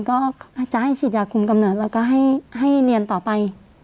ก็จะให้ฉีดยาคุมกำเนิดแล้วก็ให้เรียนต่อไป